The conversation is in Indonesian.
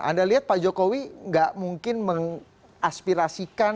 anda lihat pak jokowi nggak mungkin mengaspirasikan